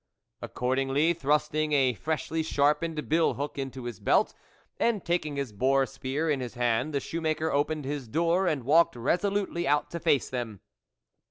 Accordingly, thrusting a freshly sharpened bill hook into his belt, and taking his boar spear in his hand, the shoemaker opened his door and walked resolutely out to face them.